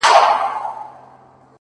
• ټوله وركه يې ـ